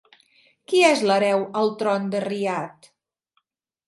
Qui és l'hereu al tron de Riad?